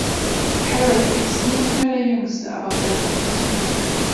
Peric ist nicht mehr der Jüngste, aber relativ gesund.